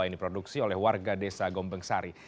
yang diproduksi oleh warga desa gombengsari